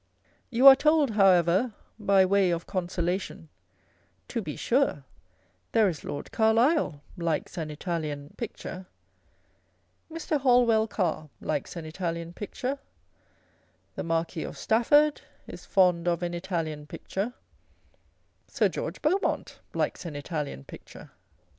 You are told, however, by way of consolation, â€" " To be sure, there is Lord Carlisle likes an Italian picture â€" Mr. Holwell Carr likes an Italian picture â€" the Marquis of Stafford is fond of an Italian picture â€" Sir George Beaumont likes an Italian picture